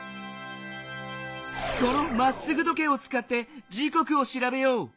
この「まっすぐ時計」をつかって時こくをしらべよう。